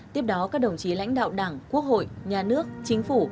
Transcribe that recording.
tiếp đó các đồng chí lãnh đạo đảng quốc hội nhà nước chính phủ